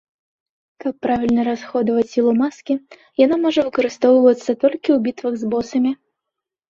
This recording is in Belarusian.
Каб правільна расходаваць сілу маскі, яна можа выкарыстоўвацца толькі ў бітвах з босамі.